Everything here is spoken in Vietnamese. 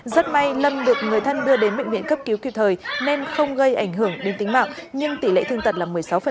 rất may lâm được người thân đưa đến bệnh viện cấp cứu kịp thời nên không gây ảnh hưởng đến tính mạng nhưng tỷ lệ thương tật là một mươi sáu